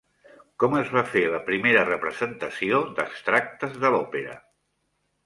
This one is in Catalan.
Com es va fer la primera representació d'extractes de l'òpera?